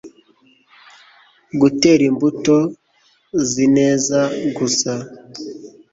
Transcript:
gutera imbuto zineza gusa